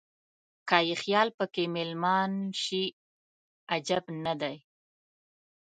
که یې خیال په کې مېلمان شي عجب نه دی.